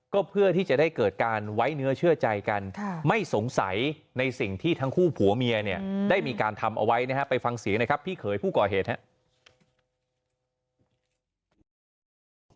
ก็เพื่อที่จะได้เกิดการไว้เนื้อเชื่อใจกันไม่สงสัยในสิ่งที่ทั้งคู่ผัวเมียเนี่ยได้มีการทำเอาไว้นะฮะไปฟังเสียงนะครับพี่เขยผู้ก่อเหตุครับ